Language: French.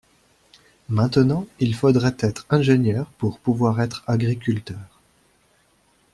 Maintenant, il faudrait être ingénieur pour pouvoir être agriculteur.